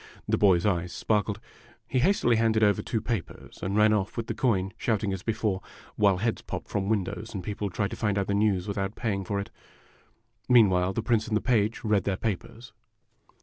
The boy's eyes sparkled. He hastily handed over two papers, and ran off with the coin, shouting as before, while heads popped from windows and people tried to find out the news without paying for it. Meanwhile the Prince and the Page read their papers.